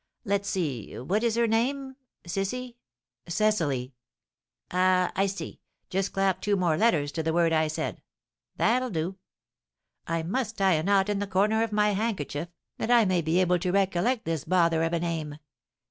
Let's see, what is her name? Cissy " "Cecily!" "Ah, I see! Just clap two more letters to the word I said, that'll do. I must tie a knot in the corner of my handkerchief, that I may be able to recollect this bother of a name.